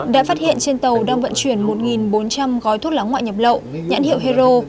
đã phát hiện trên tàu đang vận chuyển một bốn trăm linh gói thuốc lá ngoại nhập lậu nhãn hiệu hero